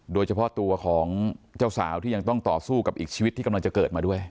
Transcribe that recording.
โดยเฉพาะตัวของเจ้าสาวที่ยังต้องต่อสู้กับอีกชีวิตที่กำลังจะเกิดมาด้วย